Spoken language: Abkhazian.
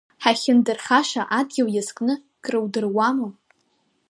Ҳахьындырхаша адгьыл иазкны крудыруама?